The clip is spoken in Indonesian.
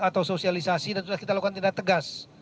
atau sosialisasi dan sudah kita lakukan tindak tegas